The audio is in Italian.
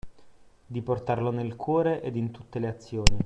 Di portarlo nel cuore ed in tutte le azioni.